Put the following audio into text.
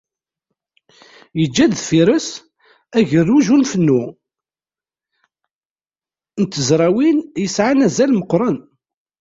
Yeǧǧa-d deffir-is agerruj ur nfennu n tezrawin yesεan azal meqqren.